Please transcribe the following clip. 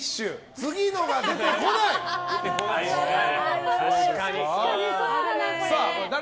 次のが出てこない。